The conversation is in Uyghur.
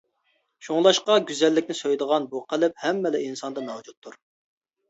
شۇڭلاشقا، گۈزەللىكنى سۆيىدىغان بۇ قەلب ھەممىلا ئىنساندا مەۋجۇتتۇر.